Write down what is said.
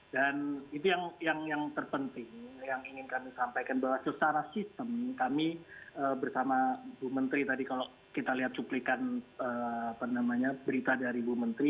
dan itu yang terpenting yang ingin kami sampaikan bahwa secara sistem kami bersama bu menteri tadi kalau kita lihat cuplikan berita dari bu menteri